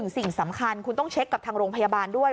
สิ่งสำคัญคุณต้องเช็คกับทางโรงพยาบาลด้วย